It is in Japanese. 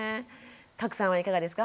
加耒さんはいかがですか？